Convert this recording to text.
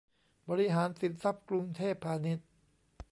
บริหารสินทรัพย์ กรุงเทพพาณิชย์